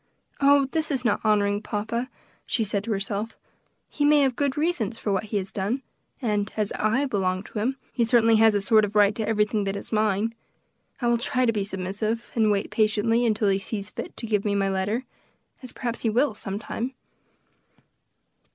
"Oh! this is not honoring papa," she said to herself; "he may have good reasons for what he has done; and as I belong to him, he certainly has a sort of right to everything that is mine. I will try to be submissive, and wait patiently until he sees fit to give me my letter, as perhaps he will, some time."